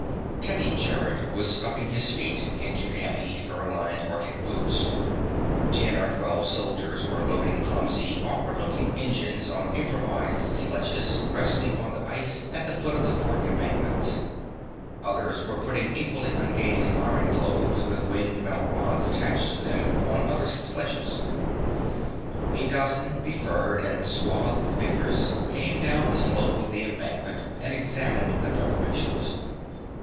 Teddy Gerrod was stuffing his feet into heavy, fur lined arctic boots. Ten or twelve soldiers were loading clumsy, awkward looking engines on improvised sledges resting on the ice at the foot of the fort embankments. Others were putting equally ungainly iron globes with winged metal rods attached to them on other sledges. A dozen befurred and swathed figures came down the slope of the embankment and examined the preparations.